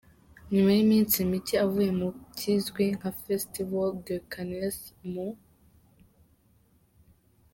Nyuma yiminsi mike avuye mu kizwi nka Festival de Cannes mu.